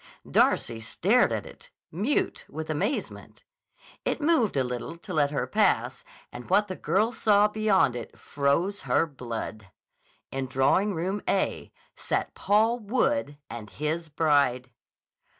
Darcy stared at it, mute with amazement. It moved a little to let her pass and what the girl saw beyond it froze her blood. In Drawing Room A sat Paul Wood and his bride!